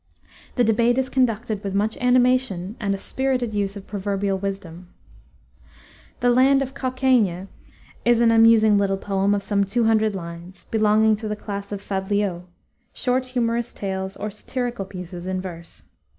The debate is conducted with much animation and a spirited use of proverbial wisdom. The Land of Cokaygne is an amusing little poem of some two hundred lines, belonging to the class of fabliaux, short humorous tales or satirical pieces in verse.